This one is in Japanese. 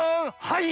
はい！